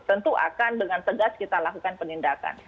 tentu akan dengan tegas kita lakukan penindakan